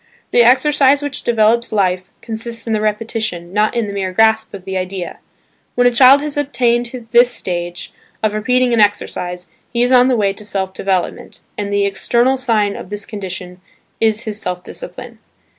The exercise which develops life, consists in the repetition, not in the mere grasp of the idea. When a child has attained this stage, of repeating an exercise, he is on the way to self development, and the external sign of this condition is his self discipline.